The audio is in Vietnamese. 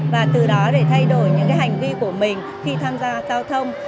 và từ đó để thay đổi những hành vi của mình khi tham gia giao thông